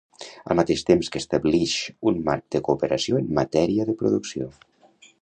Al mateix temps que establix un marc de cooperació en matèria de producció.